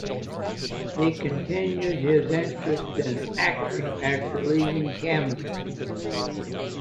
He continued his interest in acting after leaving Cambridge.